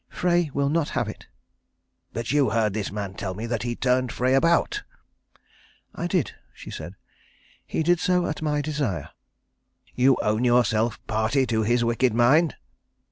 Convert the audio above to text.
"Frey will not have it." "But you heard this man tell me that he turned Frey about?" "I did," she said. "He did so at my desire." "You own yourself party to his wicked mind?"